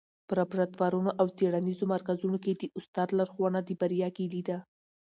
په لابراتوارونو او څېړنیزو مرکزونو کي د استاد لارښوونه د بریا کيلي ده.